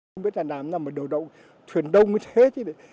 không biết là làm nào mà đổ động thuyền đông như thế chứ